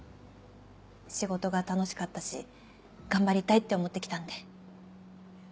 仕事が楽しかったし頑張りたいって思ってきたんで。